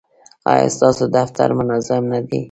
ایا ستاسو دفتر منظم نه دی؟